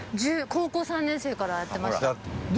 高校３年生からやってました。